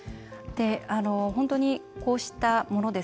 本当にこうしたもの